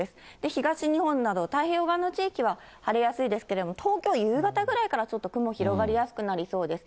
東日本など、太平洋側の地域は晴れやすいですけれども、東京、夕方ぐらいからちょっと雲広がりやすくなりそうです。